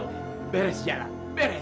sudah jalan sudah